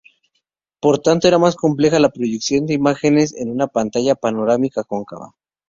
Por tanto, era más compleja la proyección de imágenes en una pantalla panorámica cóncava.